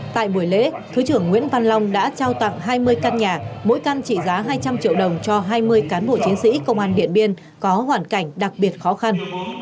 tại buổi lễ thứ trưởng nguyễn văn long đã trao tặng hai mươi căn nhà mỗi căn trị giá hai trăm linh triệu đồng cho hai mươi cán bộ chiến sĩ công an điện biên có hoàn cảnh đặc biệt khó khăn